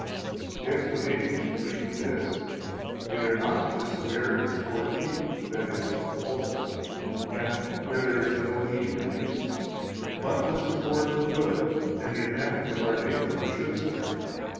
66 The explanation is briefly this: We are not to swear in support of evil, that is, of falsehood, and where there is no need or use; but for the support of good and the advantage of our neighbor we should swear.